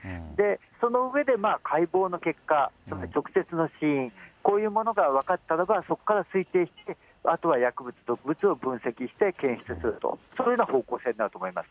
その上で、解剖の結果、直接の死因、こういうものが分かったのが、そこから推定して、あとは薬物、毒物を分析して検出すると、そういうような方向性になると思います。